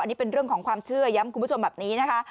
อันนี้เป็นเรื่องของความเชื่อย้ำคุณผู้ชมแบบนี้นะคะ